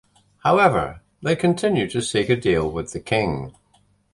However, they continued to seek a deal with the king.